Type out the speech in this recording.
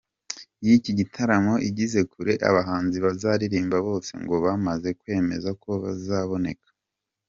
yiki gitaramo igeze kure, abahanzi bazaririmba bose ngo bamaze kwemeza ko bazaboneka.